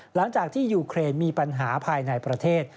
หลังจากที่ยูเครนมีปัญหาภายในประเทศ